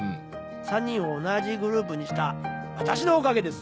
「３人を同じグループにした私のおかげです」